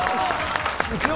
いくよ